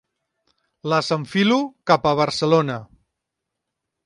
Les enfilo cap a Barcelona.